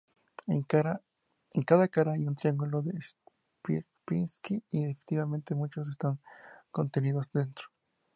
En cada cara hay un triángulo de Sierpinski e infinitamente muchos están contenidos dentro.